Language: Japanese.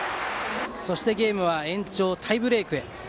そしてゲームは延長タイブレークへ。